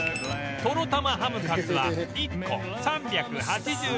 とろたまハムカツは１個３８９円